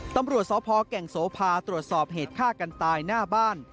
ตำรวจสพแก่งโสภาตรวจสอบเหตุฆ่ากันตายหน้าบ้าน